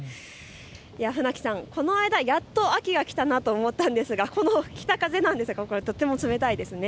船木さん、やっと秋が来たかと思ったんですがこの北風、とても冷たいですね。